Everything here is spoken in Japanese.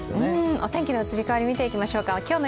お天気の移り変わり、見ていきましょう。